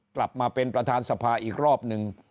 กลับมาเป็นประธานสภาอีกรอบนึง